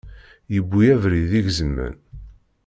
Yewwi abrid igezmen.